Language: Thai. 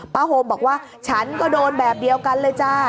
โฮมบอกว่าฉันก็โดนแบบเดียวกันเลยจ้า